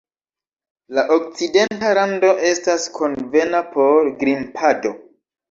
La Okcidenta rando estas konvena por grimpado.